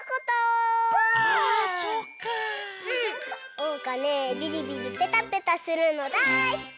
おうかねビリビリペタペタするのだいすき！